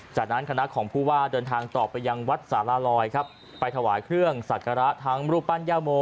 จากนั้นคณะของผู้ว่าเดินทางต่อไปยังวัดสารลอยครับไปถวายเครื่องสักการะทั้งรูปปั้นย่าโม